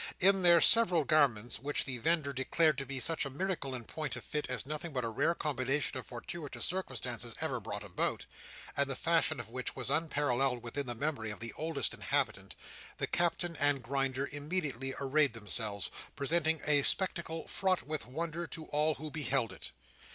In their several garments, which the vendor declared to be such a miracle in point of fit as nothing but a rare combination of fortuitous circumstances ever brought about, and the fashion of which was unparalleled within the memory of the oldest inhabitant, the Captain and Grinder immediately arrayed themselves: presenting a spectacle fraught with wonder to all who beheld it.